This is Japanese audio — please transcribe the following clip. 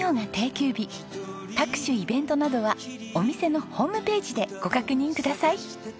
各種イベントなどはお店のホームページでご確認ください。